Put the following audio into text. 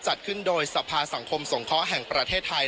จัดขึ้นโดยสภาสังคมสงเคราะห์แห่งประเทศไทย